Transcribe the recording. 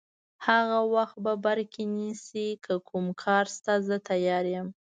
هغه وخت په بر کې نیسي، که کوم کار شته زه تیار یم.